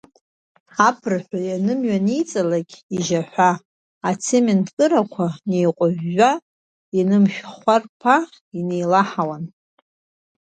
Аԥырҳәа ианымҩаниҵалак ижьаҳәа, ацементркырақәа неиҟәыжәжәа, инышәхәарԥха инеилаҳауан.